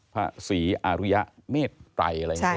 พระศรีอารุยะเมธไตร